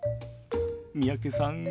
三宅さん